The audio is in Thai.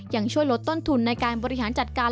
ยังช่วยลดต้นทุนในการบริหารจัดการ